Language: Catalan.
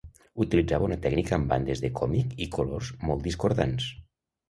Utilitzava una tècnica amb bandes de còmic i colors molt discordants.